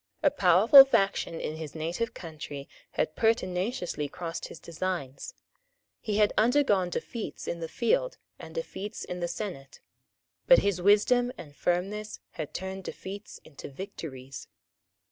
A powerful faction in his native country had pertinaciously crossed his designs. He had undergone defeats in the field and defeats in the senate; but his wisdom and firmness had turned defeats into victories.